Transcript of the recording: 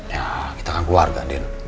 ya kita kan keluarga